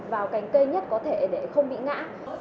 vào cánh cây nhất có thể để không bị ngã